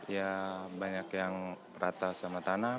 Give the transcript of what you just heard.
ya banyak yang rata sama tanah